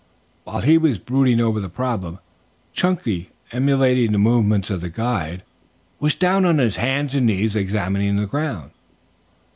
While he was brooding over the problem, Chunky, emulating the movements of the guide, was down on hands and knees, examining the ground.